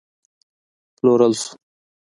پلورل شو